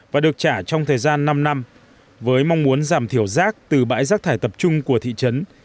và được trả trong thời gian năm năm với mong muốn giảm thiểu rác từ bãi rác thải tập trung của thị trấn